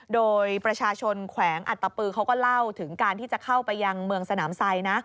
โดยประชาชนแขวงอัตตปือเขาก็เล่าถึงการที่จะเข้าไปยังเมืองสนามไซดนะ